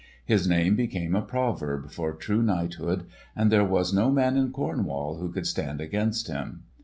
His name became a proverb for true knighthood, and there was no man in Cornwall who could stand against him.